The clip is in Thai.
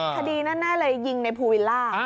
คดีแน่เลยยิงในภูวิลล่า